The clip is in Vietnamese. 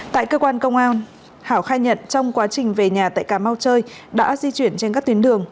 tại cơ quan công an hảo khai nhật trong quá trình về nhà tại cà mau chơi đã di chuyển trên các tuyến đường